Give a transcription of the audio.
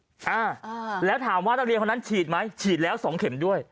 อ่าแล้วถามว่านักเรียนคนนั้นฉีดไหมฉีดแล้วสองเข็มด้วย